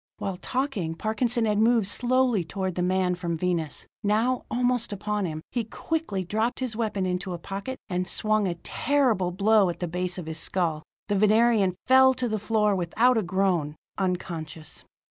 While talking, Parkinson had moved slowly toward the man from Venus; now, almost upon him, he quickly dropped his weapon into a pocket, and swung a terrible blow at the base of his skull. The Venerian fell to the floor without a groan, unconscious.